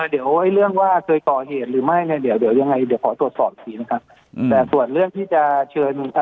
เดี๋ยวไอ้เรื่องว่าเคยก่อเหตุหรือไม่เนี่ยเดี๋ยวเดี๋ยวยังไงเดี๋ยวขอตรวจสอบอีกทีนะครับอืมแต่ส่วนเรื่องที่จะเชิญอ่า